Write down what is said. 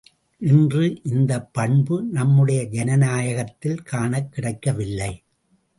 இன்று இந்தப் பண்பு நம்முடைய ஜனநாயகத்தில் காணக்கிடைக்கவில்லை.